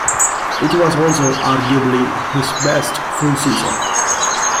It was also, arguably, his best full season.